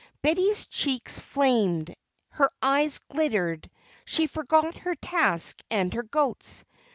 Betty's cheeks flamed, her eyes glittered, she forgot her task and her goats.